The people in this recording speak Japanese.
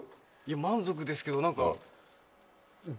満足ですけど何か。